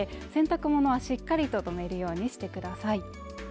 洗濯物はしっかりと留めるようにしてください